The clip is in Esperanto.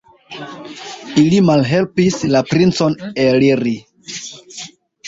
Ili malhelpis la princon eliri.